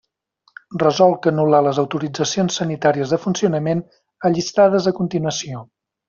Resolc anul·lar les autoritzacions sanitàries de funcionament allistades a continuació.